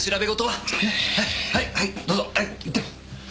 はいはいどうぞ行って！